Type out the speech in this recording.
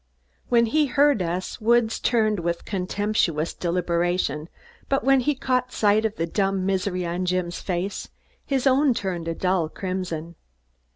When he heard us, Woods turned with contemptuous deliberation, but when he caught sight of the dumb misery on Jim's face, his own turned a dull crimson.